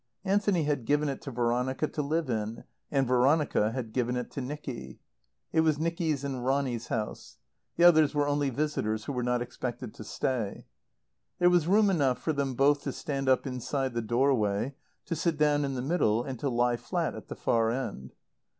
Anthony had given it to Veronica to live in, and Veronica had given it to Nicky. It was Nicky's and Ronny's house. The others were only visitors who were not expected to stay. There was room enough for them both to stand up inside the doorway, to sit down in the middle, and to lie flat at the far end.